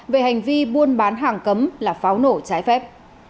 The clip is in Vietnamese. về hành vi buôn bán hàng cấm là pháo nổ trái phép